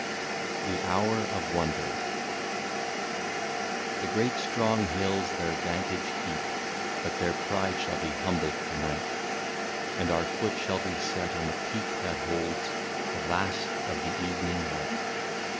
175 THE HOUR OF WONDER. The great strong hills their vantage keep, But their pride shall be humbled to night, And our foot shall be set on the peak that holds The last of the evening light.